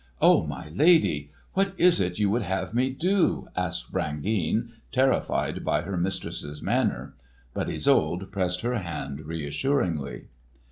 "Oh, my lady! What is it you would have me do?" asked Brangeane, terrified by her mistress's manner. But Isolde pressed her hand reassuringly.